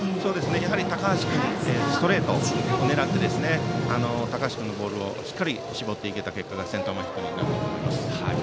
やはり高橋君のストレートを狙って高橋君のボールをしっかり絞っていけた結果がセンター前ヒットになっています。